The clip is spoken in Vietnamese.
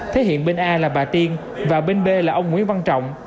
thế hiện bên a là bà tiên và bên b là ông nguyễn văn trọng